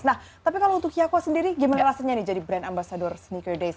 nah tapi kalau untuk yako sendiri gimana rasanya nih jadi brand ambasador sneaker days